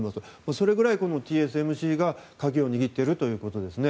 それぐらい、ＴＳＭＣが鍵を握っているということです。